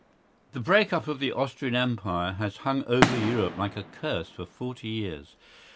The break up of the Austrian Empire has hung over Europe like a curse for forty years.